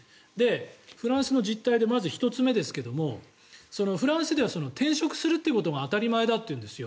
フランスの実態でまず１つ目ですがフランスでは転職するということが当たり前だというんですよ。